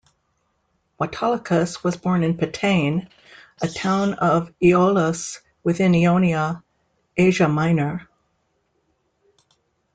Autolycus was born in Pitane, a town of Aeolis within Ionia, Asia Minor.